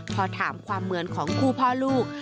พอถามความเหมือนของคู่พ่อลูก